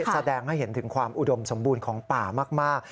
แสดงให้เห็นถึงความอุดมสมบูรณ์ของป่ามาก